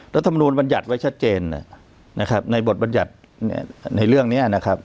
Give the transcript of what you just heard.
รัฐมนูลบัญญัติไว้ชัดเจนนะครับในบทบรรยัติในเรื่องนี้นะครับ